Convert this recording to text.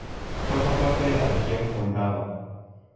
Forma parte de la Región Moldava.